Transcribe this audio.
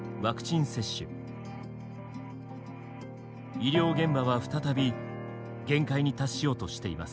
医療現場は再び限界に達しようとしています。